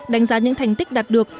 đánh giá những thành tích đạt được